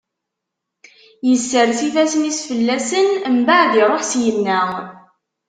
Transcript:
Isers ifassen-is fell-asen, mbeɛd iṛuḥ syenna.